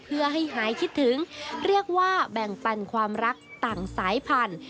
เพื่อให้หายคิดถึงเรียกว่าแบ่งปันความรักต่างสายพันธุ์